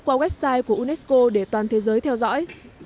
qua website của unesco để toàn thế giới theo dõi